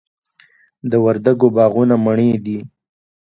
د وردګو باغونه مڼې دي